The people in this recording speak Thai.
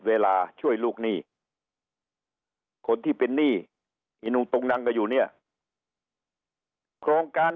เวลาช่วยลูกหนี้คนที่เป็นหนี้อีนุตุงนังกันอยู่เนี่ยโครงการ